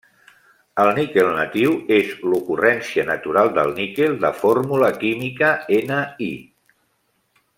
El níquel natiu és l'ocurrència natural del níquel, de fórmula química Ni.